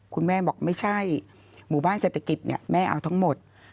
คุณแม่บอกไม่ใช่หมู่บ้านเศรษฐกิจแม่เอาทั้งหมด